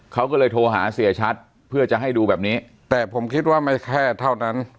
เขาก็เลยโทรหาเสียชัดเพื่อจะให้ดูแบบนี้แต่ผมคิดว่าไม่แค่เท่านั้น